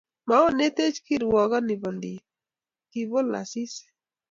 Moetenech kirwokoni bondit, kibol Asisi